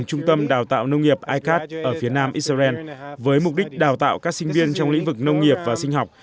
trung tâm đào tạo nông nghiệp icat ở phía nam israel với mục đích đào tạo các sinh viên trong lĩnh vực nông nghiệp và sinh học